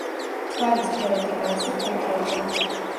თვალის ფერადი გარსი ყვითელია.